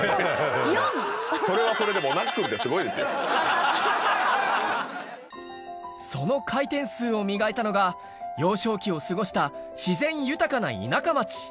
４？それはそれで、ナックルってその回転数を磨いたのが、幼少期を過ごした自然豊かな田舎町。